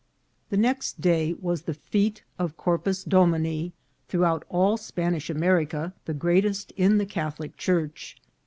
399 The next day was the fete of Corpus Domini through out all Spanish America, the greatest in the Catholic Church.